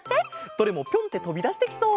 どれもピョンってとびだしてきそう！